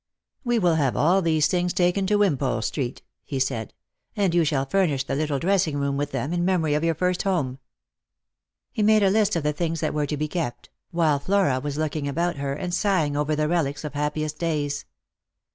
" We will have all these things taken to Wimpole street," he 244 Lost for Love. said ;" and you shall furnish the little dressing room with, them, in memory of your first home." He made a list of the things that were to be kept ; while Flora was looking about her, and sighing over the relics of happiest days.